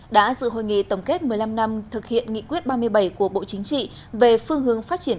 đã dự hội nghị tổng kết một mươi năm năm thực hiện nghị quyết ba mươi bảy của bộ chính trị về phương hướng phát triển